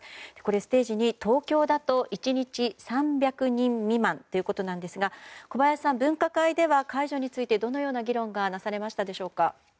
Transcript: ステージ２、東京だと１日３００人未満ということですが小林さん、分科会では解除についてどのような議論がなされましたでしょうか？